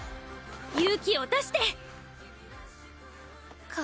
勇気を出してか。